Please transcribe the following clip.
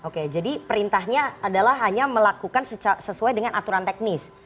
oke jadi perintahnya adalah hanya melakukan sesuai dengan aturan teknis